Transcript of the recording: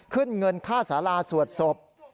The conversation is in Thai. ขึ้นเงินค่าสาราสวดศพ